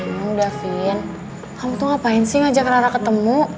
emang davin kamu tuh ngapain sih ngajak rara ketemu